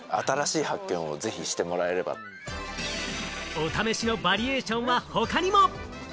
お試しのバリエーションは他にも。